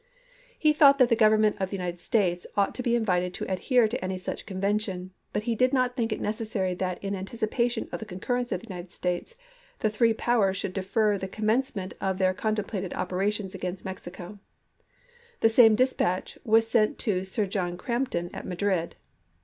He thought that the Government of the United States ought to be invited to adhere to any such convention, but he did not think it necessary that in anticipation of the concurrence of the United States the three powers should defer the commencement of their contem plated operations against Mexico. The same dis patch was sent to Sir John Crampton at Madrid.